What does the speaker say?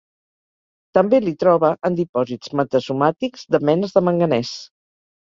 També l'hi troba en dipòsits metasomàtics de menes de Manganès.